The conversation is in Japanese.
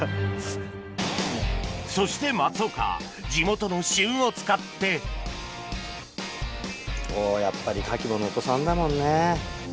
そして松岡地元の旬を使っておやっぱり牡蠣も能登産だもんね。